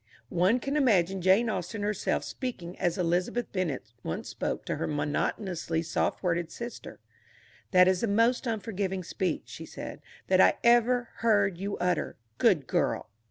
One can imagine Jane Austen herself speaking as Elizabeth Bennet once spoke to her monotonously soft worded sister. "That is the most unforgiving speech," she said, "that I ever heard you utter. Good girl!"